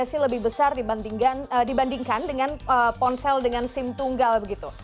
jadi radiasi lebih besar dibandingkan dengan ponsel dengan sim tunggal begitu